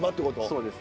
そうです。